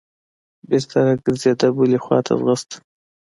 بېرته راګرځېده بلې خوا ته ځغسته.